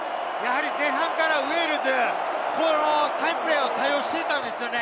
前半からウェールズ、このサインプレーを対応していたんですよね。